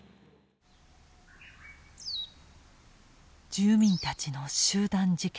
住民たちの集団自決。